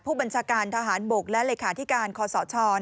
ผู้บัญชาการทหารบกและเลขาธิการคอสช